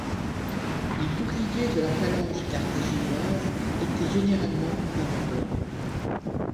Les boucliers de la phalange carthaginoise étaient généralement peints en blanc.